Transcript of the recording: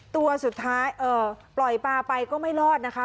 ตัวสุดท้ายปล่อยปลาไปก็ไม่รอดนะคะ